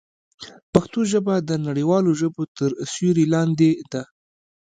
پښتو ژبه د نړیوالو ژبو تر سیوري لاندې ده.